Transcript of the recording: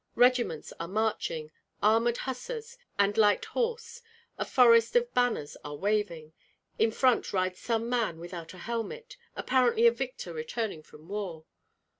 Regiments are marching, armored hussars and light horse; a forest of banners are waving; in front rides some man without a helmet, apparently a victor returning from war.